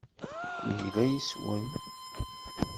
Yegla yes-wen.